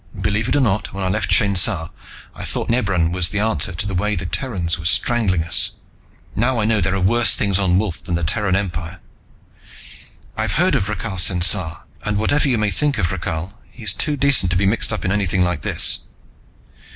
"Believe it or not, when I left Shainsa, I thought Nebran was the answer to the way the Terrans were strangling us! Now I know there are worse things on Wolf than the Terran Empire! I've heard of Rakhal Sensar, and whatever you may think of Rakhal, he's too decent to be mixed up in anything like this!"